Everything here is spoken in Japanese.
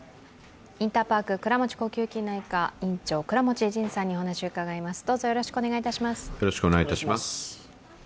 インターパーク倉持呼吸器内科院長、倉持仁さんにお話を伺います。